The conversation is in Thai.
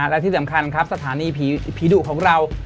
และที่สำคัญครับสถานีผีดุของเรา